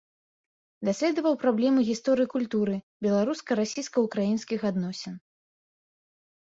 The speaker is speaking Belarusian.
Даследаваў праблемы гісторыі культуры, беларуска-расійска-ўкраінскіх адносін.